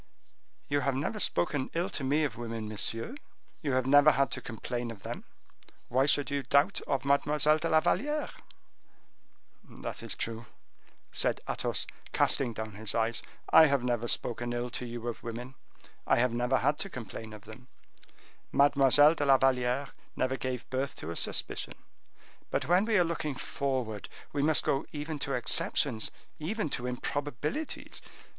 "You have never spoken ill to me of women, monsieur; you have never had to complain of them; why should you doubt of Mademoiselle de la Valliere?" "That is true," said Athos, casting down his eyes; "I have never spoken ill to you of women; I have never had to complain of them; Mademoiselle de la Valliere never gave birth to a suspicion; but when we are looking forward, we must go even to exceptions, even to improbabilities!